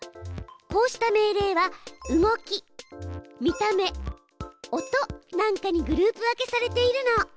こうした命令は「動き」「見た目」「音」なんかにグループ分けされているの。